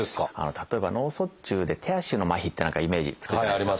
例えば脳卒中で手足の麻痺って何かイメージつくじゃないですか。